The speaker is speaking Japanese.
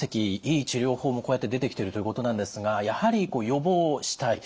いい治療法もこうやって出てきてるということなんですがやはり予防をしたい。